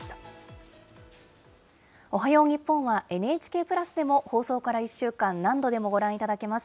おはよう日本はＮＨＫプラスでも放送から１週間、何度でもご覧いただけます。